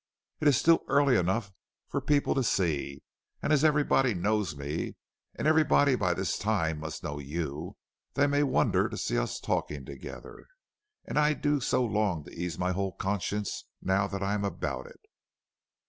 It is still early enough for people to see, and as everybody knows me and everybody by this time must know you, they may wonder to see us talking together, and I do so long to ease my whole conscience now I am about it."